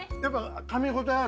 かみ応えある？